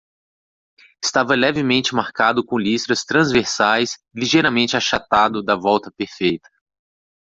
Estava levemente marcado com listras transversais e ligeiramente achatado da volta perfeita.